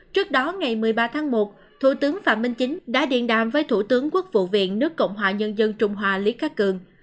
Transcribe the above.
trước đó ngày một mươi ba tháng một thủ tướng phạm minh chính đã điện đàm với thủ tướng quốc vụ viện nước cộng hòa nhân dân trung hoa lý khắc cường